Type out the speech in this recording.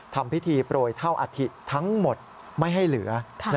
ทำพิธีโปรยเท่าอัฐิทั้งหมดไม่ให้เหลือ